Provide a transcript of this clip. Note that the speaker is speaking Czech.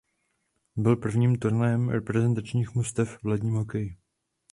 Byl prvním turnajem reprezentačních mužstev v ledním hokeji.